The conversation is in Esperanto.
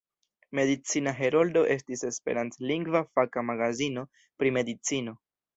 Medicina Heroldo estis esperantlingva faka magazino pri medicino.